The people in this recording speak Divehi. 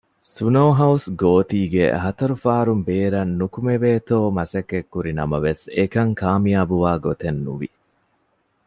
ސުނޯހައުސް ގޯތީގެ ހަތަރު ފާރުން ބޭރަށް ނުކުމެވޭތޯ މަސައްކަތްކުރި ނަމަވެސް އެކަން ކާމިޔާބުވާ ގޮތެއް ނުވި